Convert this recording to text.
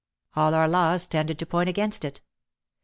All our laws tended to point against it.